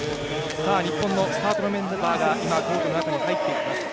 日本のスタートのメンバーがコートの中に入っていきます。